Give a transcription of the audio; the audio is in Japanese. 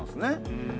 うん。